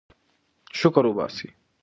شکر وباسئ.